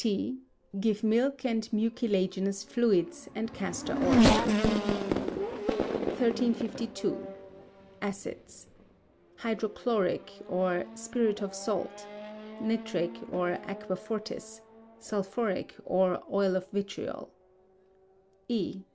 T. Give milk and mucilaginous fluids, and castor oil. 1352. Acids. (Hydrochloric, or spirit of salt; nitric, or aquafortis; sulphuric, or oil of vitriol.) E.